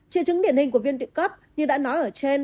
chia chứng điển hình của viên tụy cấp như đã nói ở trên